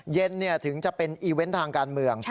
เย็นถึงจะเป็นอีเวนต์ทางการเมือง